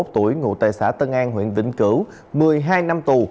bốn mươi một tuổi ngụ tài xã tân an huyện vĩnh cửu một mươi hai năm tù